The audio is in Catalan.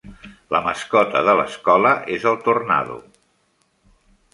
La mascota de l'escola és el Tornado.